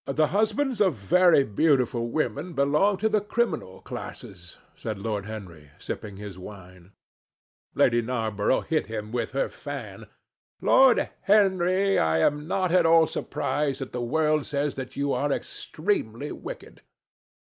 "The husbands of very beautiful women belong to the criminal classes," said Lord Henry, sipping his wine. Lady Narborough hit him with her fan. "Lord Henry, I am not at all surprised that the world says that you are extremely wicked."